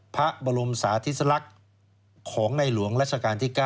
พระบรมสาธิสลักษณ์ของในหลวงรัชกาลที่๙